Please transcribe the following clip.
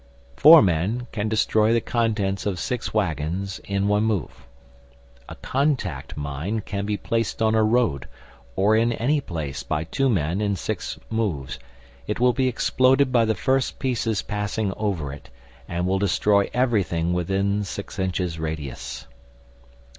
Four men can destroy the contents of six waggons in one move. A contact mine can be placed on a road or in any place by two men in six moves; it will be exploded by the first pieces passing over it, and will destroy everything within six inches radius.